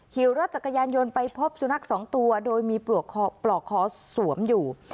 ขี่รถจักรยานยนต์ไปพบสุนัขสองตัวโดยมีปลอกคอสวมอยู่